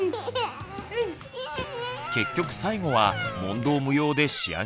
結局最後は問答無用で仕上げ磨き。